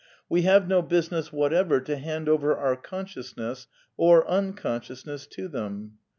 We have no business whatever to hand over our consciousness or unconsciousness to them.